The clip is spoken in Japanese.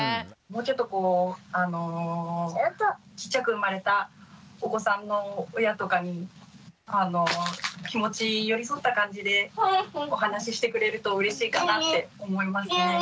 もうちょっとこうちっちゃく生まれたお子さんの親とかに気持ち寄り添った感じでお話ししてくれるとうれしいかなって思いましたね。